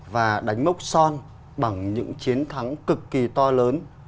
và đánh mốc son bằng những chiến thắng cực kỳ to lớn